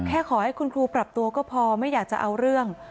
ขอให้คุณครูปรับตัวก็พอไม่อยากจะเอาเรื่อง